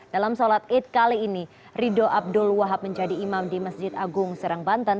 dalam sholat id kali ini rido abdul wahab menjadi imam di masjid agung serang banten